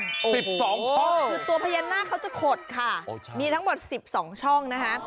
คือตัวพญานาคเขาจะขดค่ะมีทั้งหมดสิบสองช่องนะคะ